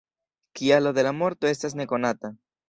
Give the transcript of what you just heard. Kialo de la morto estas nekonata.